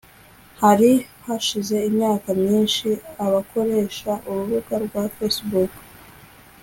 Hari hashize imyaka myinshi abakoresha urubuga rwa Facebook